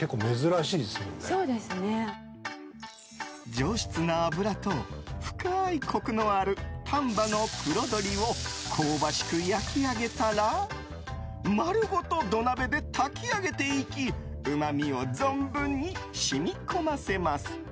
上質な脂と深いコクのある丹波の黒鶏を香ばしく焼き上げたら丸ごと土鍋で炊き上げていきうまみを存分に染み込ませます。